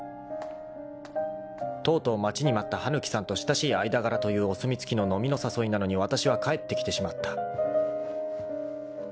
［とうとう待ちに待った羽貫さんと親しい間柄というお墨付きの飲みの誘いなのにわたしは帰ってきてしまった］